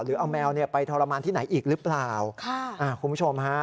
หรือเอาแมวไปทรมานที่ไหนอีกรึเปล่าคุณผู้ชมฮะค่ะ